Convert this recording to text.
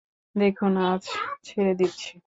দেখুন, আজ ছেড়ে দিচ্ছি।